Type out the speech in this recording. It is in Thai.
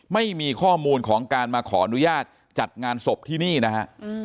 ไม่มีข้อมูลของการมาขออนุญาตจัดงานศพที่นี่นะฮะ